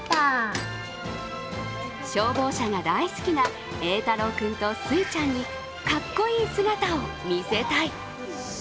消防車が大好きな瑛太郎君と珠衣ちゃんにかっこいい姿を見せたい。